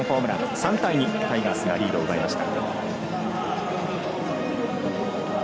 ３対２タイガースがリードを奪いました。